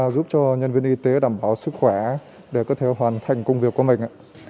giúp cho nhân viên y tế đảm bảo sức khỏe để có thể hoàn thành công việc của mình